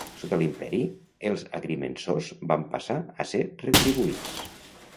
Sota l'imperi els agrimensors van passar a ser retribuïts.